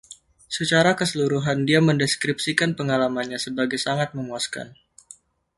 Secara keseluruhan, dia mendeskripsikan pengalamannya sebagai 'sangat memuaskan'.